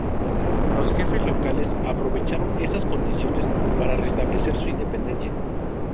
Los jefes locales aprovecharon esas condiciones para restablecer su independencia.